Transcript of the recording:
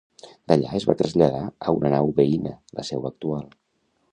D'allà es va traslladar a una nau veïna, la seu actual.